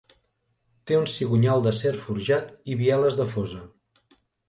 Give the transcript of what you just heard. Té un cigonyal d'acer forjat i bieles de fosa.